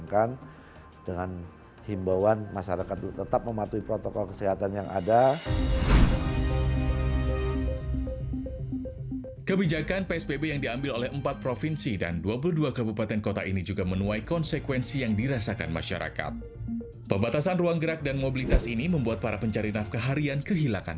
karena ini dampaknya kan dirasakan secara langsung oleh seluruh masyarakat